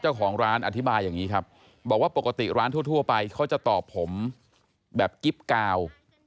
เจ้าของร้านอธิบายอย่างนี้ครับบอกว่าปกติร้านทั่วไปเขาจะตอบผมแบบกิ๊บกาว